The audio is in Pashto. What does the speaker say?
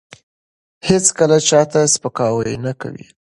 هیڅکله چا ته سپکاوی نه کوي.